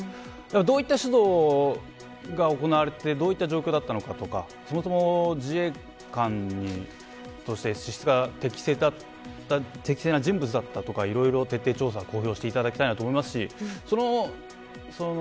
どういった指導が行われてどういった状況だったのかとかそもそも自衛官として資質が適正な人物だったのかいろいろ徹底して調査を公表していただきたいと思います。